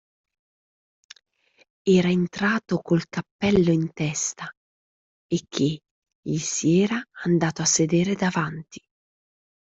Era entrato col cappello in testa e che gli si era andato a sedere davanti.